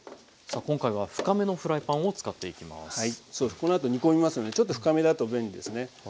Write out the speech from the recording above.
このあと煮込みますのでちょっと深めだと便利ですね。